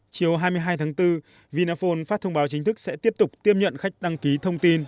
chiều hai mươi hai tháng bốn vinaphone phát thông báo chính thức sẽ tiếp tục tiêm nhận khách đăng ký thông tin